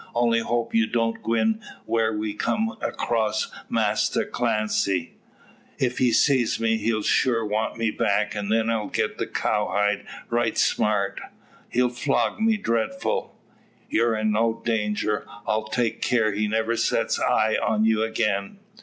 Only hope you not a gwine where we come cross Masser Clancy. If he see me, he sure have me back, and then I'se get the cowhide right smart. He flog me dreadful." "You're in no danger. I'll take care he never sets eye on you again.